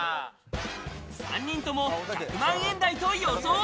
３人とも１００万円台と予想。